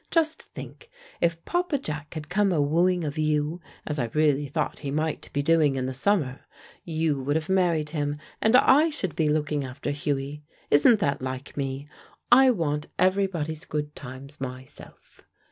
Just think: if Papa Jack had come a wooing of you, as I really thought he might be doing in the summer, you would have married him and I should be looking after Hughie. Isn't that like me? I want everybody's good times myself."